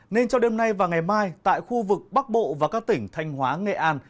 nên cho đêm nay và ngày mai tại khu vực bắc bộ và các tỉnh thanh hóa nghệ an